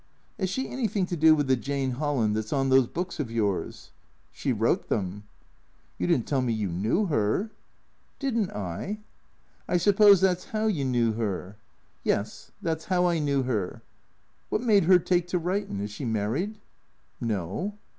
" 'As she anything to do with the Jane Holland that 's on those books of yours ?"" She wrote 'em." " You did n't tell me you knew her." " Did n't I ?"" I suppose that 's how you knew her." " Yes. That 's how I knew her." " \Miat made 'er take to writin' ? Is she married ?"" No."